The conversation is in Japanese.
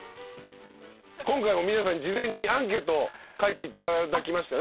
今回も皆さんに事前にアンケート書いていただきましたね。